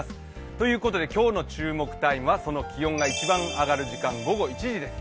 ということで、今日の注目タイムはその気温が一番上がる時間、午後１時です。